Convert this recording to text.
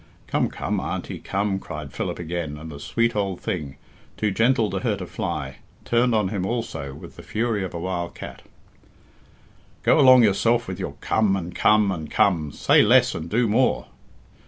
"Come, come, Auntie, come," cried Philip again, and the sweet old thing, too gentle to hurt a fly, turned on him also with the fury of a wild cat. "Go along yourself with your 'come' and 'come' and 'come.' Say less and do more."